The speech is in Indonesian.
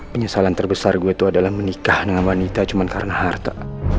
penyesalan terbesar gue itu adalah menikah dengan wanita cuma karena harta